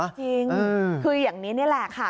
จริงคืออย่างนี้นี่แหละค่ะ